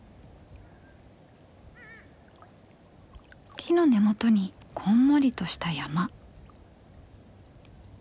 木の根元にこんもりとした山。